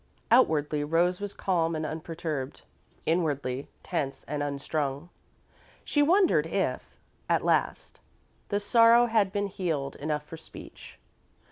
Outwardly, Rose was calm and unperturbed; inwardly, tense and unstrung. She wondered if, at last, the sorrow had been healed enough for speech.